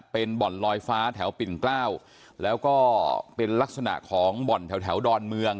เป็นบ่อนลอยฟ้าแถวปิ่นเกล้าแล้วก็เป็นลักษณะของบ่อนแถวแถวดอนเมือง